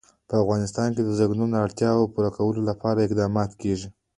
په افغانستان کې د ځنګلونه د اړتیاوو پوره کولو لپاره اقدامات کېږي.